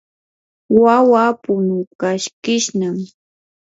wawaa punukaskishnam.